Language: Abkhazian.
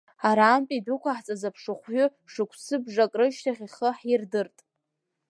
Арантәи идәықәаҳҵаз аԥшыхәҩы шықәсыбжак рышьҭахь ихы ҳирдырт.